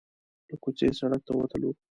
له کوڅې سړک ته وتلو.